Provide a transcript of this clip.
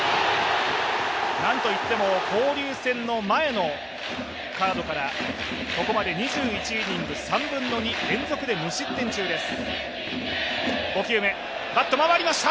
何といっても交流戦の前のカードからここまで２１イニング３分の２連続で無失点中です。